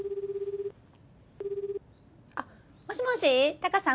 あもしもしタカさん。